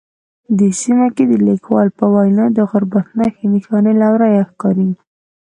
دې سیمه کې د لیکوال په وینا د غربت نښې نښانې له ورایه ښکاري